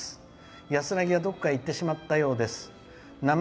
安らぎはどこかへいってしまったようです。